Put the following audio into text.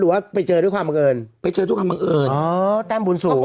ว่าไปเจอด้วยความบังเอิญไปเจอทุกคำบังเอิญอ๋อแต้มบุญสูง